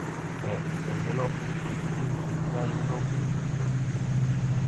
E, dende logo, coincidimos en que hai unha utilización.